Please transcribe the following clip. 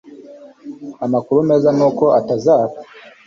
Amakuru meza nuko utazapfa